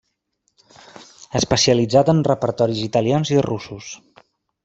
Especialitzat en repertoris italians i russos.